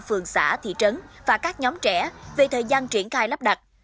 phường xã thị trấn và các nhóm trẻ về thời gian triển khai lắp đặt